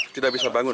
tidak bisa bangun